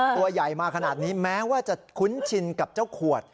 ตัวใหญ่มาขนาดนี้แม้ว่าจะคุ้นชินกับเจ้าขวด